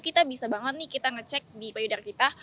kita bisa banget nih kita ngecek di payudar kita